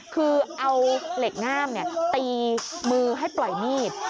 คือเอาเหล็กง่ามตีมือให้ปล่อยมีด